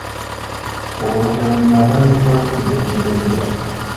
Oluvannyuma baabivaako ne babyerabira.